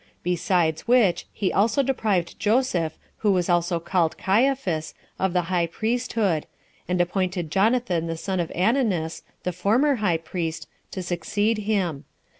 Besides which, he also deprived Joseph, who was also called Caiaphas, of the high priesthood, and appointed Jonathan the son of Ananus, the former high priest, to succeed him.